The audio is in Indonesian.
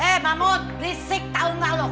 eeeh mamut berisik tau gak lo